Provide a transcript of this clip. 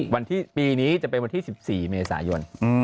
มันที่ปีนี้จะเป็นวันที่๗เมษายน